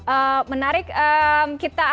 perkembangan babak demi babak